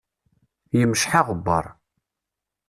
Yemceḥ aɣebbar.